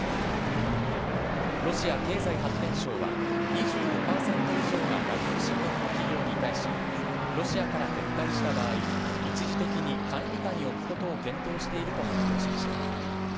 ロシア経済発展省は２５％以上が外国資本の企業に対しロシアから撤退した場合一時的に管理下に置くことを検討していると発表しました。